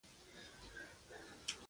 • شتمن سړی د صبر خاوند وي.